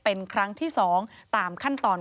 เป็นครั้งที่๒ตามขั้นตอน